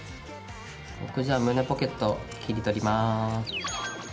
僕じゃあ胸ポケット切り取ります。